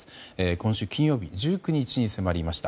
今週金曜日１９日に迫りました。